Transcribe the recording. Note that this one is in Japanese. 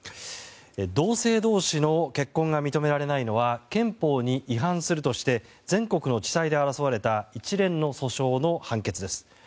同性同士の結婚が認められないのは憲法に違反するとして全国の地裁で争われた一連の訴訟の判決です。